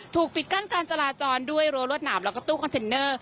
ถูกปิดกั้นการจราจรด้วยรวดหน่ำและกระตู้คอนเทนเนอร์